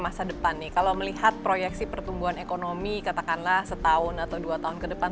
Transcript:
masa depan nih kalau melihat proyeksi pertumbuhan ekonomi katakanlah setahun atau dua tahun ke depan